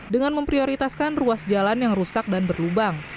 dengan memprioritaskan ruas jalan yang rusak dan berlubang